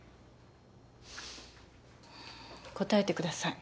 答えてください。